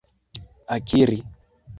akiri